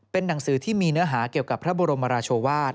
เป็นหนังสือที่มีเนื้อหาเกี่ยวกับพระบรมราชวาส